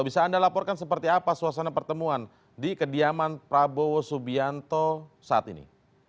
bisa anda laporkan seperti apa suasana pertemuan di kediaman prabowo subianto saat ini